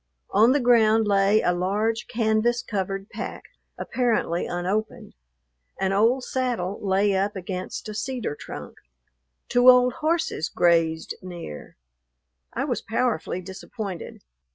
On the ground lay a large canvas covered pack, apparently unopened. An old saddle lay up against a cedar trunk. Two old horses grazed near. I was powerfully disappointed.